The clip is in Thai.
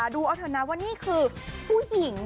ดูเอาเถอะนะว่านี่คือผู้หญิง